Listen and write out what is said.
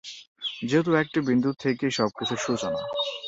যেহেতু একটি বিন্দু থেকেই সবকিছুর সূচনা।